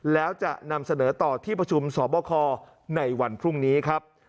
แล้วจะนำเสนอต่อที่ประชุมสอบคอในวันพรุ่งนี้ครับ